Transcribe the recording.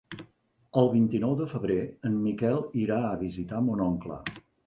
El vint-i-nou de febrer en Miquel irà a visitar mon oncle.